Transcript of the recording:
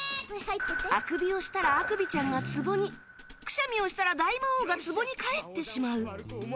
あくびをしたらアクビちゃんが壺にくしゃみをしたら大魔王が壺に帰ってしまう。